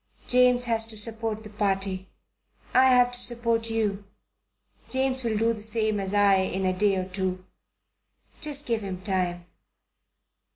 "James has to support the Party. I have to support you. James will do the same as I in a day or two. Just give him time.